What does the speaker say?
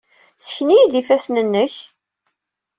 Ssken-iyi-d ifassen-nnek.